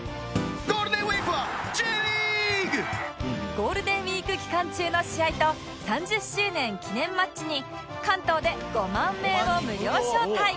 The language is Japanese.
ゴールデンウィーク期間中の試合と３０周年記念マッチに関東で５万名を無料招待！